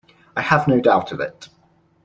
I have no doubt of it.